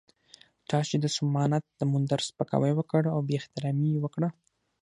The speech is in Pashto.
چا چې د سومنات د مندر سپکاوی وکړ او بې احترامي یې وکړه.